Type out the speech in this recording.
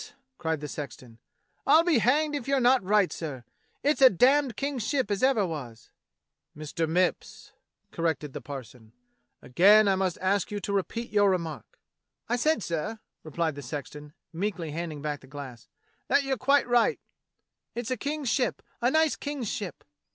"cried the sexton; "I'll be hanged if you're not right, sir; it's a damned King's ship as ever was." 12 DOCTOR SYN "Mr. Mipps," corrected the parson, again I must ask you to repeat your remark." "I said, sir," replied the sexton, meekly handing back the glass, "that you're quite right: it's a King's ship, a nice King's ship!"